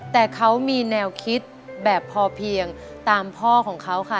แต่เขามีแนวคิดแบบพอเพียงตามพ่อของเขาค่ะ